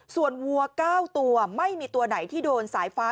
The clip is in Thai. ส่วนวัว๙ตัวไม่มีตัวไหนที่โดนสายฟ้า